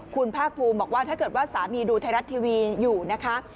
คุณภาคภูมิบอกว่าถ้าเกิดว่าสามีดูไทยรัฐทีวีอยู่นะคะ